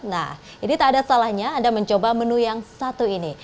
nah ini tak ada salahnya anda mencoba menu yang satu ini